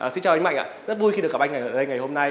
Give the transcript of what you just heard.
xin chào anh mạnh ạ rất vui khi được gặp anh ở đây ngày hôm nay